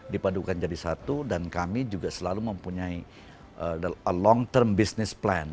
dipadukan jadi satu dan kami juga selalu mempunyai along term business plan